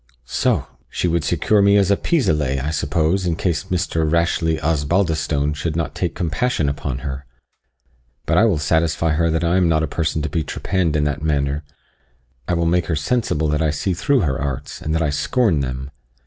"Soh! she would secure me as a pis aller, I suppose, in case Mr. Rashleigh Osbaldistone should not take compassion upon her! But I will satisfy her that I am not a person to be trepanned in that manner I will make her sensible that I see through her arts, and that I scorn them."